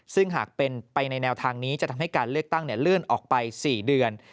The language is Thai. ซึ่งหากเป็นไปในแนวทางนี้จะทำให้การเลือกตั้งเลื่อนออกไป๔เดือน